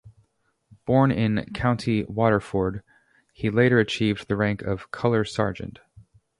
Born in County Waterford, he later achieved the rank of Colour-Sergeant.